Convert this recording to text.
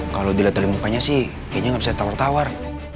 kalau dilihat dari mukanya sih kayaknya nggak bisa tawar tawar